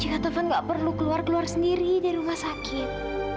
jika telepon gak perlu keluar keluar sendiri dari rumah sakit